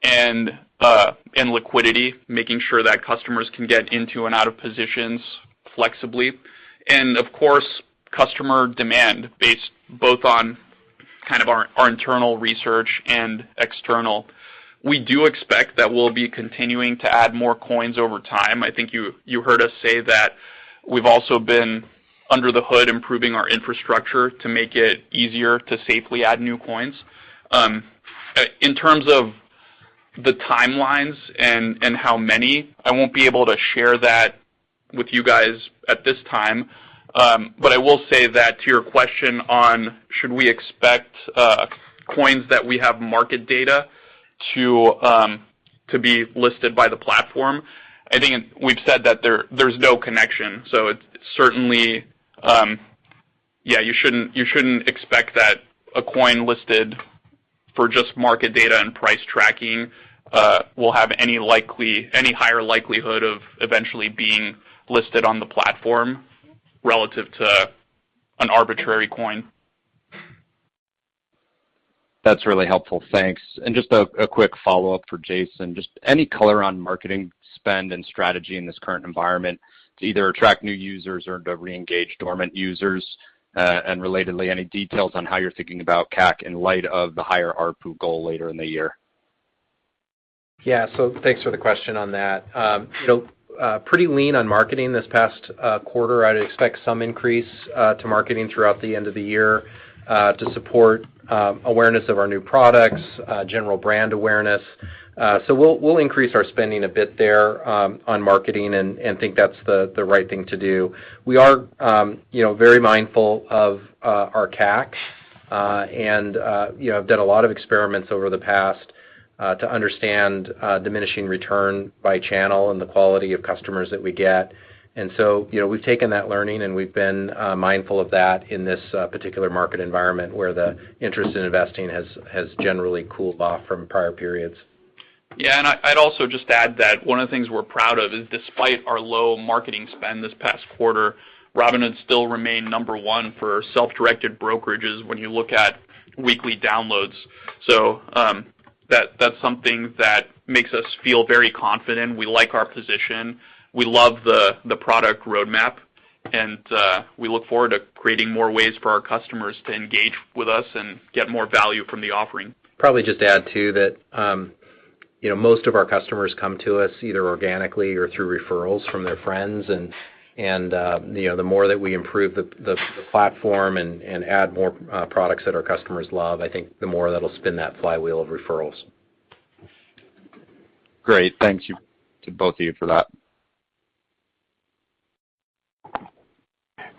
and liquidity, making sure that customers can get into and out of positions flexibly. Of course, customer demand based both on kind of our internal research and external. We do expect that we'll be continuing to add more coins over time. I think you heard us say that we've also been Under the Hood improving our infrastructure to make it easier to safely add new coins. In terms of the timelines and how many, I won't be able to share that with you guys at this time. I will say that to your question on should we expect coins that we have market data to be listed by the platform, I think we've said that there's no connection. It certainly you shouldn't expect that a coin listed for just market data and price tracking will have any higher likelihood of eventually being listed on the platform relative to an arbitrary coin. That's really helpful. Thanks. Just a quick follow-up for Jason. Just any color on marketing spend and strategy in this current environment to either attract new users or to reengage dormant users? Relatedly, any details on how you're thinking about CAC in light of the higher ARPU goal later in the year? Yeah. Thanks for the question on that. You know, pretty lean on marketing this past quarter. I'd expect some increase to marketing throughout the end of the year to support awareness of our new products, general brand awareness. We'll increase our spending a bit there on marketing and think that's the right thing to do. We are, you know, very mindful of our cash and, you know, have done a lot of experiments over the past to understand diminishing return by channel and the quality of customers that we get. You know, we've taken that learning, and we've been mindful of that in this particular market environment where the interest in investing has generally cooled off from prior periods. Yeah. I'd also just add that one of the things we're proud of is despite our low marketing spend this past quarter, Robinhood still remained number one for self-directed brokerages when you look at weekly downloads. That's something that makes us feel very confident. We like our position. We love the product roadmap, and we look forward to creating more ways for our customers to engage with us and get more value from the offering. Probably just add to that, you know, most of our customers come to us either organically or through referrals from their friends and, you know, the more that we improve the platform and add more products that our customers love, I think the more that'll spin that flywheel of referrals. Great. Thank you to both of you for that.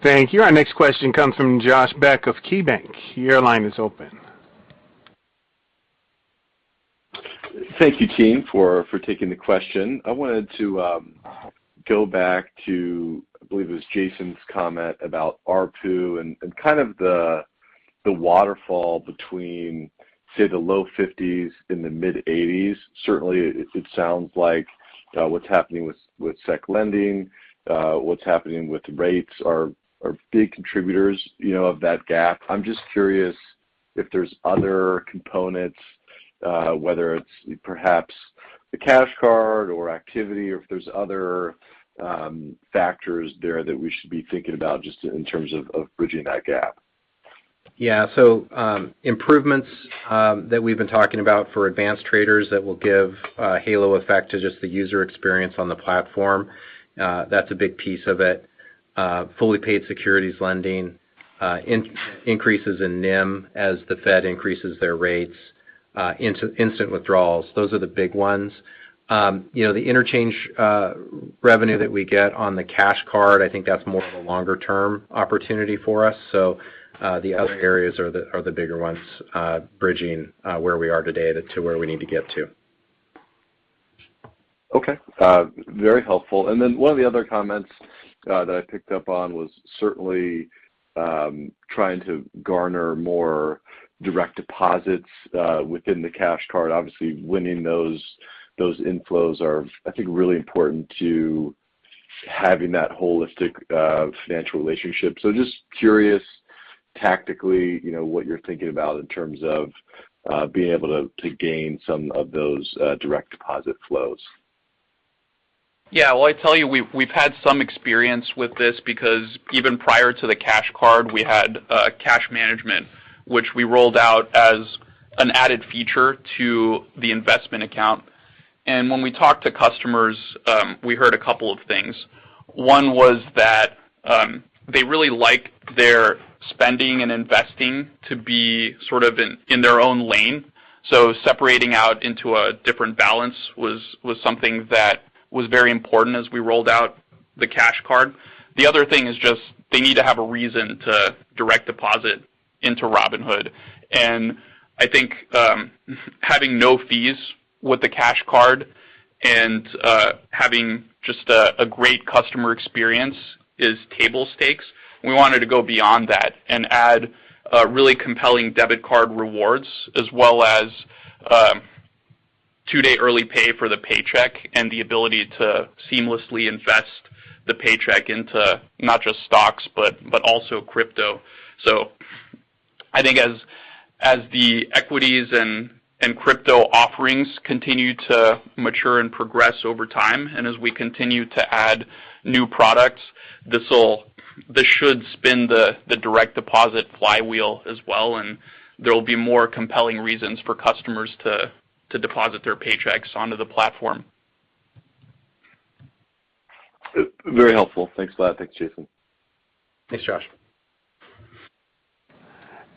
Thank you. Our next question comes from Josh Beck of KeyBanc. Your line is open. Thank you, team, for taking the question. I wanted to go back to, I believe it was Jason's comment about ARPU and kind of the waterfall between, say, the low $50s and the mid-$80s. Certainly it sounds like what's happening with securities lending, what's happening with rates are big contributors, you know, of that gap. I'm just curious if there's other components, whether it's perhaps the Cash Card or activity or if there's other factors there that we should be thinking about just in terms of bridging that gap. Yeah. Improvements that we've been talking about for advanced traders that will give a halo effect to just the user experience on the platform, that's a big piece of it. Fully paid securities lending, increases in NIM as the Fed increases their rates, instant withdrawals. Those are the big ones. You know, the interchange revenue that we get on the Cash Card, I think that's more of a longer term opportunity for us. The other areas are the bigger ones, bridging where we are today to where we need to get to. Okay. Very helpful. Then one of the other comments that I picked up on was certainly trying to garner more direct deposits within the Cash Card. Obviously, winning those inflows are, I think, really important to having that holistic financial relationship. Just curious tactically, you know, what you're thinking about in terms of being able to gain some of those direct deposit flows. Yeah. Well, I tell you, we've had some experience with this because even prior to the Cash Card, we had cash management, which we rolled out as an added feature to the investment account. When we talked to customers, we heard a couple of things. One was that they really liked their spending and investing to be sort of in their own lane. Separating out into a different balance was something that was very important as we rolled out the Cash Card. The other thing is just they need to have a reason to direct deposit into Robinhood. I think having no fees with the Cash Card and having just a great customer experience is table stakes. We wanted to go beyond that and add really compelling debit card rewards as well as two-day early pay for the paycheck and the ability to seamlessly invest the paycheck into not just stocks, but also crypto. I think as the equities and crypto offerings continue to mature and progress over time and as we continue to add new products, this should spin the direct deposit flywheel as well, and there will be more compelling reasons for customers to deposit their paychecks onto the platform. Very helpful. Thanks for that. Thanks, Jason. Thanks, Josh.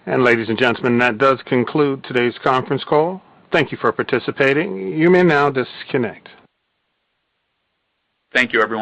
Ladies and gentlemen, that does conclude today's conference call. Thank you for participating. You may now disconnect. Thank you, everyone.